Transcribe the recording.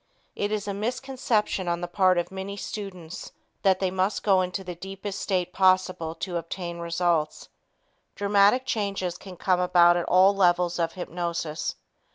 It is a misconception on the part of many students that they must go into the deepest state possible to obtain results. Dramatic changes can come about at all levels of hypnosis.